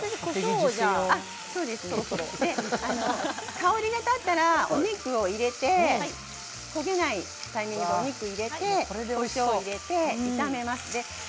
香りが立ったらお肉を入れて焦げないタイミングでお肉を入れてこしょうを入れて炒めますね。